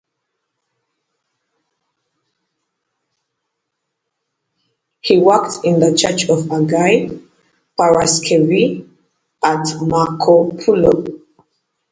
He worked in the church of Agia Paraskevi at Markopoulo.